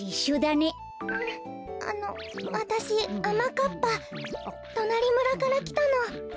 あのわたしあまかっぱ。となりむらからきたの。